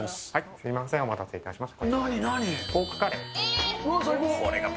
すみません、お待たせいたしました。